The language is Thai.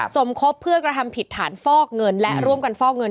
สมคบเพื่อกระทำผิดฐานฟอกเงินและร่วมกันฟอกเงิน